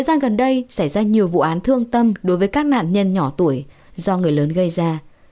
thời gian gần đây xảy ra nhiều vụ án thương tâm đối với các nạn nhân nhỏ tuổi do người lớn gây ra